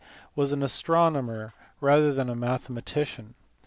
was an astronomer rather than a mathema tician.